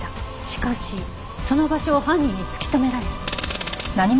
しかしその場所を犯人に突き止められ。